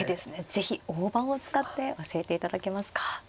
是非大盤を使って教えていただけますか。